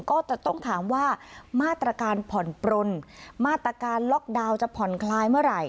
ก็จะต้องถามว่ามาตรการผ่อนปลนมาตรการล็อกดาวน์จะผ่อนคลายเมื่อไหร่